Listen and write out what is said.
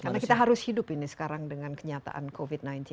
karena kita harus hidup ini sekarang dengan kenyataan covid sembilan belas ini